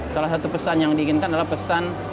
salah satu pesan yang diinginkan adalah pesan